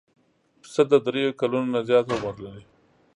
پسه د درېیو کلونو نه زیات عمر لري.